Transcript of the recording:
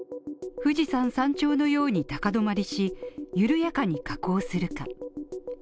富士山山頂のように高止まりし、緩やかに下降するか。